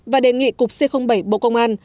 và đề nghị cục c bảy bộ công an